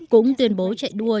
cũng tuyên bố chạy đua